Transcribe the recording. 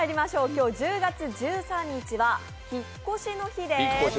今日１０月１３日は引っ越しの日です。